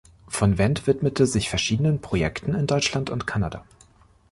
Von Wendt widmete sich verschiedenen Projekten in Deutschland und Kanada.